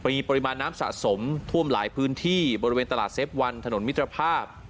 มีปริมาณน้ำสะสมท่วมหลายพื้นที่บริเวณตลาดเซฟวันถนนมิตรภาพ